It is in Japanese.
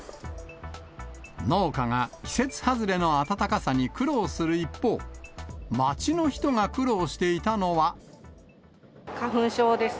農家が季節外れの暖かさに苦労する一方、花粉症です。